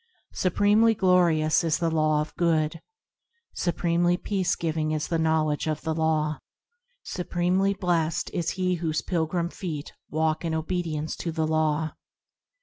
Supremely glorious is the Law of Good, Supremely peace giving is the knowledge of the Law, Supremely blessed is he whose pilgrim feet walk in obedience to the Law.